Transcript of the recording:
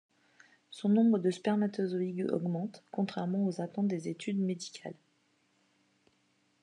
Son nombre de spermatozoïdes augmente, contrairement aux attentes des études médicales.